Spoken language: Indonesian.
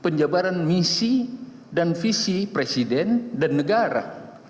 penjabaran misi dan visi presiden dan negara